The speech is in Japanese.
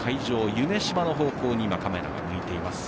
夢州の方向にカメラが向いています。